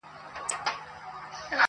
هر څوک خپله کيسه جوړوي او حقيقت ګډوډېږي,